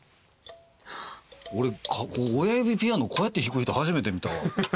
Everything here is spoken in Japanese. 俺親指ピアノこうやって弾く人初めて見たわ。